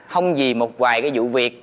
không vì một vài cái vụ việc